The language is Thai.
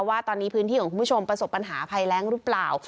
ว่าตอนนี้พื้นที่ของคุณผู้ชมประสบปัญหาภัยแรงหรือเปล่า